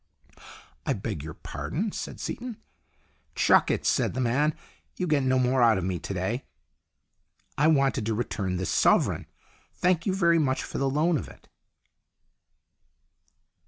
" I beg your pardon," said Seaton. " Chuck it !" said the man. " You get no more out of me to day." " I wanted to return this sovereign. Thank you very much for the loan of it."